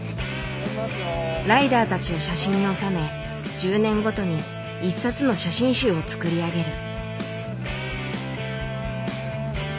ライダーたちを写真に収め１０年ごとに１冊の写真集を作り上げる。